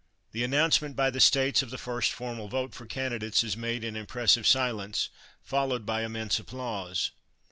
The announcement by states of the first formal vote for candidates is made in impressive silence, followed by immense applause.